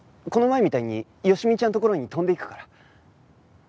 この前みたいに好美ちゃんのところに飛んでいくから。